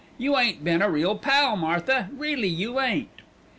You ain't been a real pal, Martha, really you ain't."